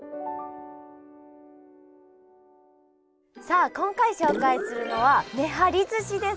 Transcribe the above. さあ今回紹介するのはめはりずしです。